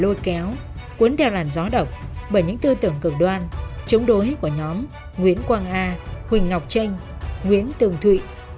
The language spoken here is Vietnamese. lôi kéo cuốn đeo làn gió độc bởi những tư tưởng cực đoan chống đối của nhóm nguyễn quang a huỳnh ngọc tranh nguyễn tường thụy